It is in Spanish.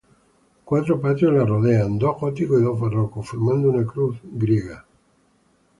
Cuatro patios la rodean, dos góticos y dos barrocos, formando una cruz griega.